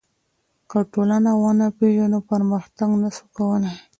که ټولنه ونه پېژنو پرمختګ نسو کولای.